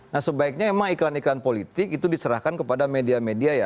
nah sebaiknya memang iklan iklan politik itu diserahkan kepada media media ya